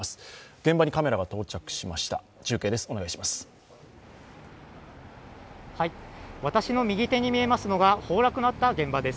現場にカメラが到着しました、中継です。